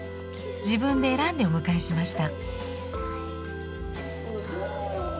自分で選んでお迎えしました。